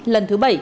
lần thứ bảy